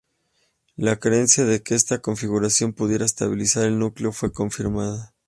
La creencia de que esta configuración pudiera estabilizar el núcleo fue confirmada.